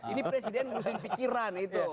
ini presiden pusing pikiran itu